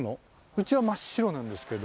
うちは真っ白なんですけど。